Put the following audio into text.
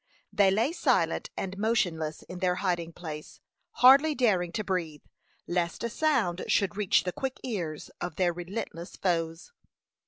They lay silent and motionless in their hiding place, hardly daring to breathe, lest a sound should reach the quick ears of their relentless foes.